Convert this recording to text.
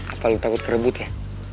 apa lo takut kerebut ya